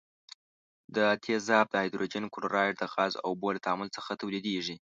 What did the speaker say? دا تیزاب د هایدروجن کلوراید د غاز او اوبو له تعامل څخه تولیدیږي.